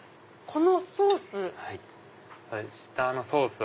このソース。